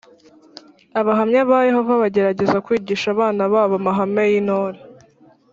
Abahamya ba yehova bagerageza kwigisha abana babo amahame y’intore